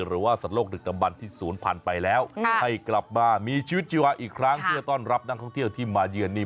หรือว่าสนโลกหลดกรรมบรรณสูญภัณฑ์ไปแล้วกลับมามีชีวิตจีวาอีกครั้งที่จะต้อนรับนักท่องเที่ยวที่เยือนนี้